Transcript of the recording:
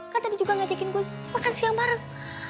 kan tadi juga ngajakin gus makan siang bareng